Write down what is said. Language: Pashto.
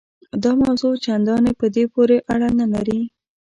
دا موضوع چنداني په دې پورې اړه هم نه لري.